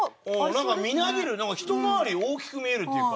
なんかみなぎる一回り大きく見えるっていうか。